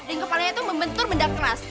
dan kepalanya tuh membentur benda keras